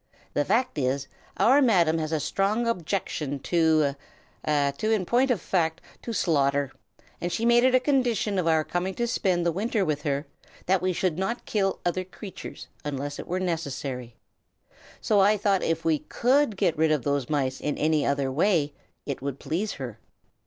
The fact is, our Madam has a strong objection to a in point of fact, to slaughter; and she made it a condition of our coming to spend the winter with her, that we should not kill other creatures unless it were necessary. So I thought if we could get rid of those mice in any other way, it would please her.